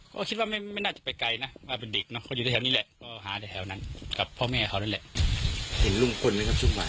ก็คิดว่าไม่น่าจะไปไกลนะว่าเป็นเด็กนะเขาอยู่ที่แถวนี้แหละก็หาที่แถวนั้นกับพ่อแม่เขานั่นแหละ